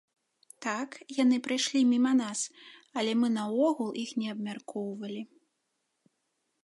Так, яны прайшлі міма нас, але мы наогул іх не абмяркоўвалі.